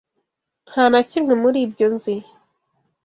Nta na kimwe muri ibyo nzi.